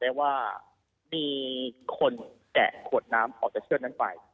ได้ว่ามีคนแกะขวดน้ำออกจากเชือกนั้นไป